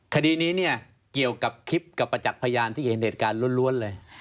คดีนี้เนี่ยเกี่ยวกับคลิปกับประจักษ์พยานที่เห็นเหตุการณ์ล้วนเลย